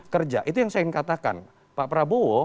kerja itu yang saya ingin katakan pak prabowo